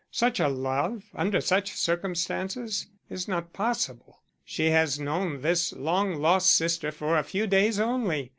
Such a love under such circumstances is not possible. She has known this long lost sister for a few days only.